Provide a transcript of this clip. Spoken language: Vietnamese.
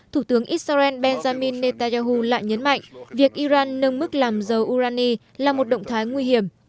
thủ tướng israel benjamin netanyahu lại nhấn mạnh việc iran nâng mức làm dầu urani là một động thái nguy hiểm